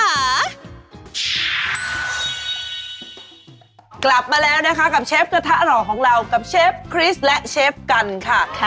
กลับมาแล้วนะคะกับเชฟกระทะหล่อของเรากับเชฟคริสและเชฟกันค่ะ